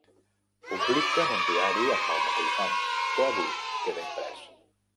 Publiquen un diari amb el mateix nom que avui queda imprès.